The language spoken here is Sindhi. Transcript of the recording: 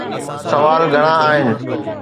سوال گهڻا آهن.